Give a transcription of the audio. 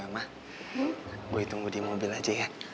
ma gue tunggu di mobil aja ya